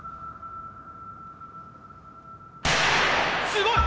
すごい！